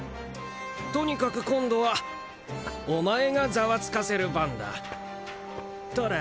とにかく今度はお前がザワつかせる番だトラちゃん。